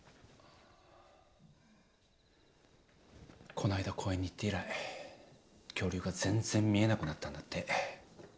こないだ公園に行って以来恐竜が全然見えなくなったんだって。